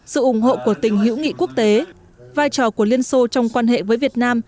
sự ủng hộ của tình hữu nghị quốc tế vai trò của liên xô trong quan hệ với việt nam